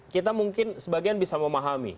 kita mungkin sebagian bisa memahami